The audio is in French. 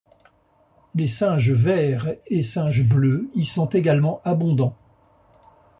Les singes verts et singes bleus y sont également abondants.